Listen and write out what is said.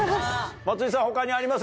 松居さん他にあります？